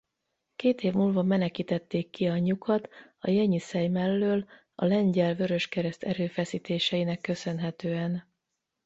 Két év múlva menekítették ki anyjukat a Jenyiszej mellől a Lengyel Vöröskereszt erőfeszítéseinek köszönhetően.